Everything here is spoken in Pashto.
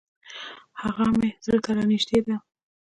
هغه مي زړه ته را نژدې ده .